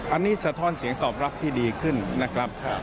อันนี้สะท้อนเสียงตอบรับที่ดีขึ้นนะครับ